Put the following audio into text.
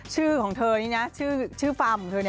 ชื่อของเธอนี่นะชื่อฟาร์มของเธอ